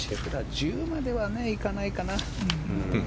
１０まではいかないかな。